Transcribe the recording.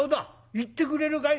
「行ってくれるかい？